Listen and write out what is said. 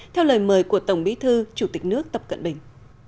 theo lời mời của tổng bí thư chủ tịch nước tập cận bình